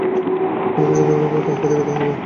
কোন কিছু দেখিবার পূর্বে তাঁহাকেই দেখিতে হইবে।